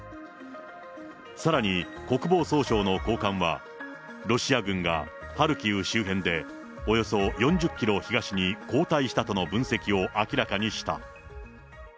さらに、国防総省の高官は、ロシア軍がハルキウ周辺で、およそ４０キロ東に後退したとの分析を明らかにした。